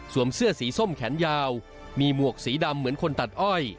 เสื้อสีส้มแขนยาวมีหมวกสีดำเหมือนคนตัดอ้อย